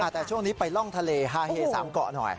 แต่ช่วงนี้ไปล่องทะเลฮาเฮ๓เกาะหน่อย